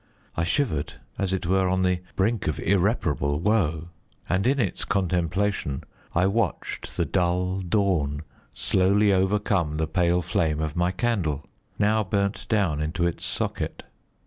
I shivered, as it were on the brink of irreparable woe, and in its contemplation I watched the dull dawn slowly overcome the pale flame of my candle, now burnt down into its socket.